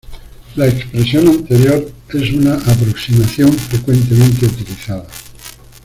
La expresión anterior es una aproximación frecuentemente utilizada.